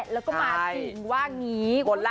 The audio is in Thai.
แล้วก็มาจริงว่างี้